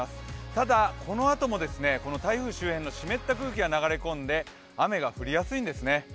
ただ、このあとも台風周辺の湿った空気が流れ込んで雨が降りやすいんですね。